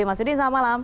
mas udin selamat malam